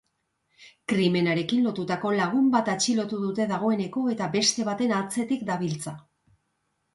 Krimenarekin lotutako lagun bat atxilotu dute dagoeneko eta beste baten atzetik daude.